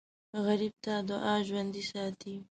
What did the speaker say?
غریب ته دعا ژوندي ساتي